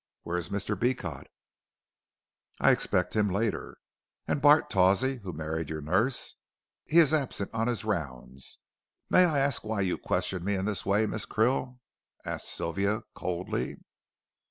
Where is Mr. Beecot?" "I expect him later." "And Bart Tawsey who married your nurse?" "He is absent on his rounds. May I ask why you question me in this way, Miss Krill?" asked Sylvia, coldly.